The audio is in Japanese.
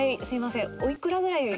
すいません。